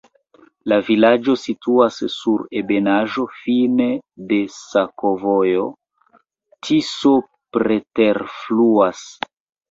La vilaĝo situas sur ebenaĵo, fine de sakovojo, Tiso preterfluas.